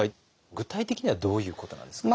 具体的にはどういうことなんですか？